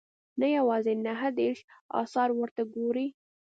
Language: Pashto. نه یوازې نهه دېرش اثار ورته ګوري.